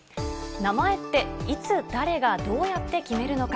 名前って、いつ、誰が、どうやって決めるのか。